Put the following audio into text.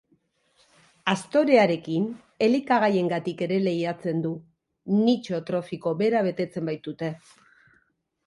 Aztorearekin elikagaiengatik ere lehiatzen du, nitxo trofiko bera betetzen baitute.